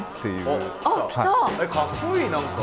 かっこいい何か。